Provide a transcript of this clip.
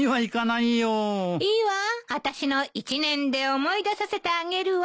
いいわあたしの一念で思い出させてあげるわ。